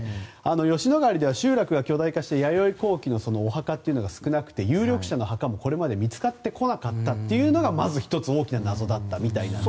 吉野ヶ里では集落が巨大化して弥生後期のお墓が少なくて有力者のお墓もこれまで見つかってこなかったというのがまず１つ大きな謎だったみたいです。